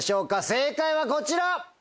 正解はこちら！